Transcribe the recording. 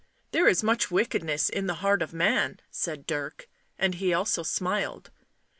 " There is much wickedness in the heart of man," said Dirk. And he also smiled.